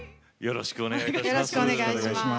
よろしくお願いします。